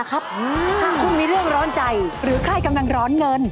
ถ้าคุณมีเรื่องร้อนใจหรือใครกำลังร้อนเงิน